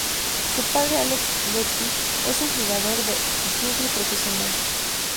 Su padre Alex Godfrey es un jugador de rugby profesional.